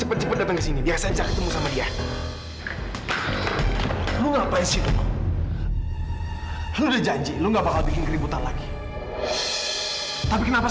papi udah ngantuk